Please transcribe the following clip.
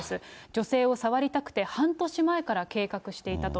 女性を触りたくて、半年前から計画していたと。